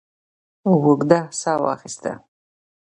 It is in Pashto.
اوږده ساه واخسته.